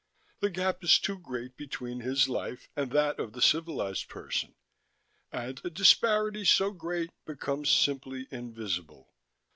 The gap is too great between his life and that of the civilized person, and a disparity so great becomes, simply, invisible.